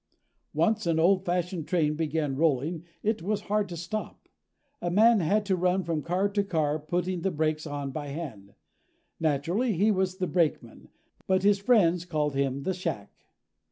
Once an old fashioned train began rolling, it was hard to stop it. A man had to run from car to car, putting the brakes on by hand. Naturally, he was the brakeman, but his friends called him the shack.